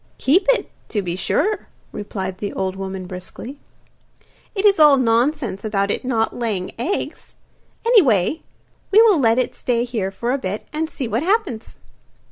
'Keep it, to be sure!' replied the old woman briskly. 'It is all nonsense about it not laying eggs. Anyway, we will let it stay here for a bit, and see what happens.